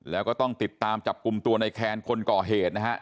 แล้วก็ต้องติดตามจับกลุ่มตัวในแคนคนก่อเหตุนะฮะ